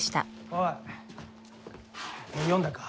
おい読んだか？